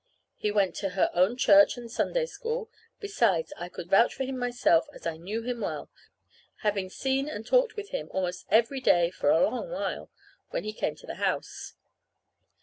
He went to her own church and Sunday School. Besides, I could vouch for him myself, as I knew him well, having seen and talked with him almost every day for a long while, when he came to the house.